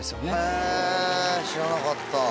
へぇ知らなかった。